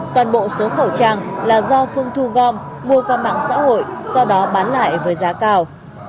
toàn bộ số khẩu trang là do phương thu gom mua qua mạng xã hội sau đó bán lại với giá cao